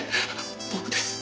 僕です